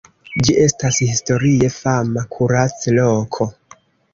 Ĝi estas historie fama kuracloko.